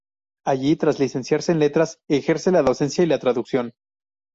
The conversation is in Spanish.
Allí, tras licenciarse en letras, ejerce la docencia y la traducción.